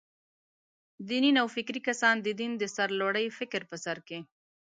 دیني نوفکري کسان «د دین د سرلوړۍ» فکر په سر کې.